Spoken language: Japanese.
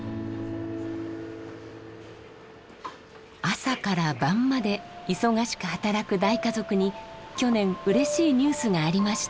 朝から晩まで忙しく働く大家族に去年うれしいニュースがありました。